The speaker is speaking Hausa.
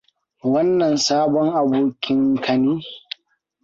Wannan sabon abokinka ne?